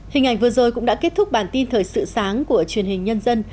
hình ảnh vừa rồi cũng đã kết thúc bản tin thời sự sáng của truyền hình nhân dân